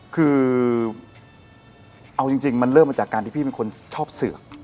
คือเอาจริงมันเริ่มมาจากการที่พี่เป็นคนชอบเสือก